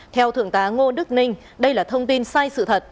theo thượng tá ngô đức ninh đây là thông tin sai sự thật